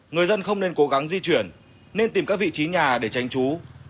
người dân không nên cố gắng di chuyển nên tìm các vị trí nhà để tránh trú